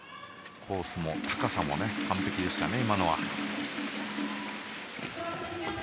コースも高さも完璧でしたね。